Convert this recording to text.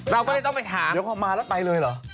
เราก็เลยต้องไปถามเดี๋ยวพอมาแล้วไปเลยเหรอ